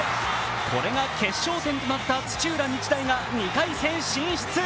これが決勝点となった土浦日大が２回戦進出。